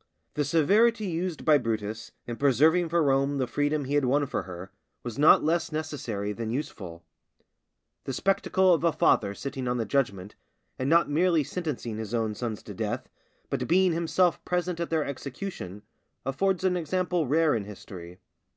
_ The severity used by Brutus in preserving for Rome the freedom he had won for her, was not less necessary than useful. The spectacle of a father sitting on the judgment, and not merely sentencing his own sons to death, but being himself present at their execution, affords an example rare in history.